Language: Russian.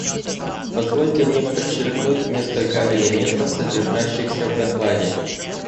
Позвольте мне подчеркнуть несколько элементов, содержащихся в докладе.